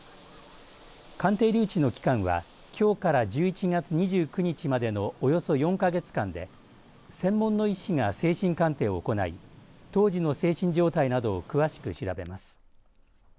鑑定留置の期間はきょうから１１月２９日までのおよそ４か月間で専門の医師が精神鑑定を行い当時の精神状態などを詳しく調べます。